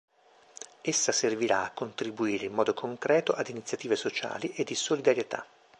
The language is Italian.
Essa servirà a contribuire in modo concreto ad iniziative sociali e di solidarietà.